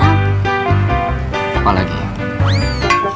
ngelihat kita angkur